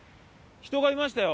人がいましたよ。